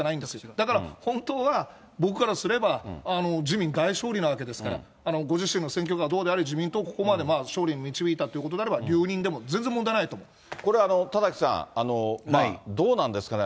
だから、本当は僕からすれば、自民大勝利なわけですから、ご自身の選挙区がどうであれ、自民党をここまで勝利に導いたということであれば、留任でも全然これ田崎さん、どうなんですかね。